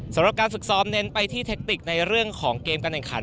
สำหรับการฝึกซ้อมเน้นไปที่เทคติกในเรื่องของเกมการแข่งขัน